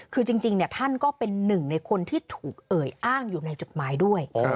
คือจริงท่านก็เป็นหนึ่งในคนที่ถูกเอ่ยอ้างอยู่ในจดหมายด้วย